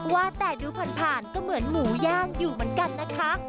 ว่าแต่ดูผ่านก็เหมือนหมูย่างอยู่เหมือนกันนะคะ